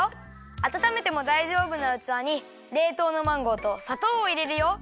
あたためてもだいじょうぶなうつわにれいとうのマンゴーとさとうをいれるよ。